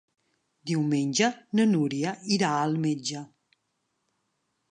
Diumenge na Núria irà al metge.